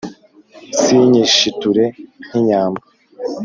sinyishiture nk'inyambo